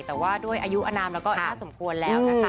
แต่ว่าด้วยอายุอนามแล้วก็น่าสมควรแล้วนะคะ